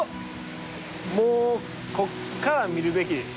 もうここから見るべき。